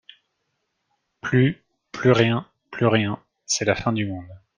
Plus, plus rien, plus rien ! C'est la fin du monde.